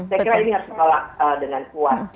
saya kira ini harus ditolak dengan kuat